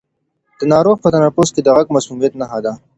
د ناروغ په تنفس کې غږ د مسمومیت نښه ده.